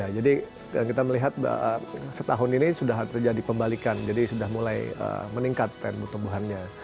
jadi kita melihat setahun ini sudah terjadi pembalikan jadi sudah mulai meningkat tren pertumbuhannya